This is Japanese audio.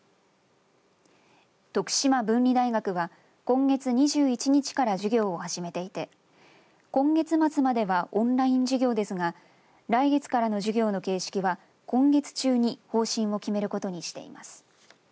徳島文理大学は今月２１日から授業を始めていて今月末まではオンライン授業ですが来月からの授業の形式は今月中に方針を決めることにしています。